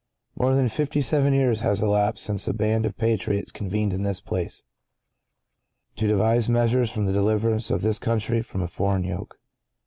(¶ 1) More than fifty seven years have elapsed since a band of patriots convened in this place, to devise measures for the deliverance of this country from a foreign yoke.